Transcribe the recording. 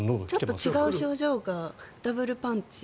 ちょっと違う症状がダブルパンチ。